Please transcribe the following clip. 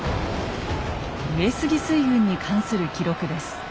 上杉水軍に関する記録です。